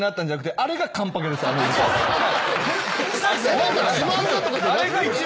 あれが一番いい。